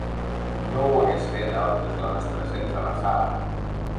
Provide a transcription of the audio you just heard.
No ho hagués fet a altres dones presents a la sala.